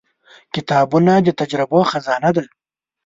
• کتابونه د تجربو خزانه ده.